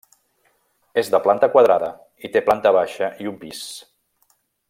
És de planta quadrada i té planta baixa i un pis.